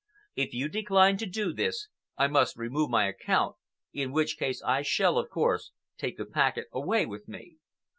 If you decline to do this, I must remove my account, in which case I shall, of course, take the packet away with me.